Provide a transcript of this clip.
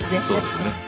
そうですよね。